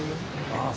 ああ